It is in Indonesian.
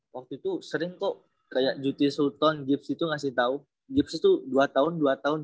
waktu itu sering kok kayak juti sultan gibbs itu ngasih tau gibbs itu dua tahun dua tahun dia ngasih tau gitu